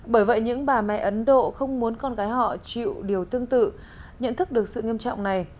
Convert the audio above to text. bởi vậy những bà mẹ ấn độ không muốn con gái họ chịu điều tương tự nhận thức được sự nghiêm trọng này